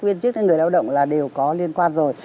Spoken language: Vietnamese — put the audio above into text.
viên chức hay người lao động là đều có liên quan rồi